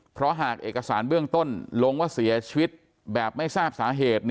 เพราะหากเอกสารเบื้องต้นลงว่าเสียชีวิตแบบไม่ทราบสาเหตุ